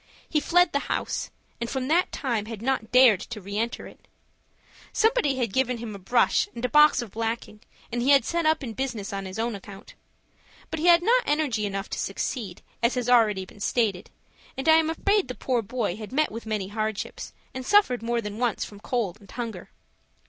He fled the house, and from that time had not dared to re enter it. Somebody had given him a brush and box of blacking, and he had set up in business on his own account. But he had not energy enough to succeed, as has already been stated, and I am afraid the poor boy had met with many hardships, and suffered more than once from cold and hunger.